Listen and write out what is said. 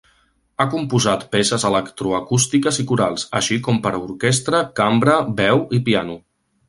Ha composat peces electroacústiques i corals, així com per orquestra, cambra, veu i piano.